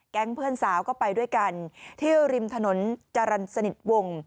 เพื่อนสาวก็ไปด้วยกันที่ริมถนนจรรย์สนิทวง